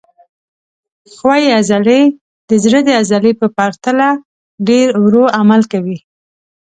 ښویې عضلې د زړه د عضلې په پرتله ډېر ورو عمل کوي.